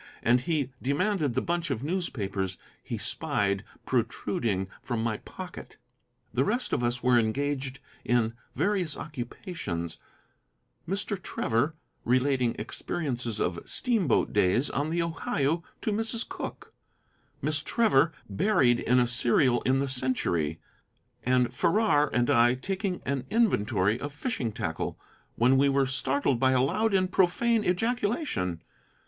And he demanded the bunch of newspapers he spied protruding from my pocket. The rest of us were engaged in various occupations: Mr. Trevor relating experiences of steamboat days on the Ohio to Mrs. Cooke; Miss Trevor buried in a serial in the Century; and Farrar and I taking an inventory of fishing tackle, when we were startled by a loud and profane ejaculation.